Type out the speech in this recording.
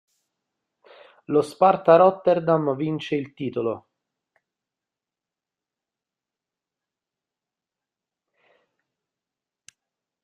Lo Sparta Rotterdam vince il titolo.